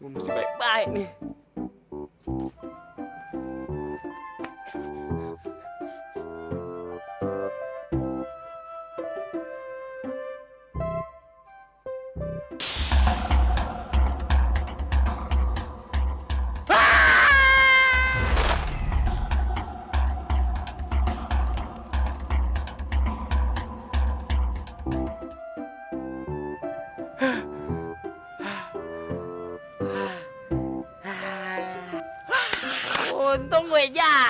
aduh apaan sih gue